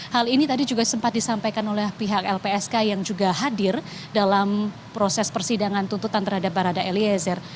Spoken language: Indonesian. hal ini tadi juga sempat disampaikan oleh pihak lpsk yang juga hadir dalam proses persidangan tuntutan terhadap barada eliezer